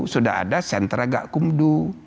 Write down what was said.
sudah ada sentra gak kumdu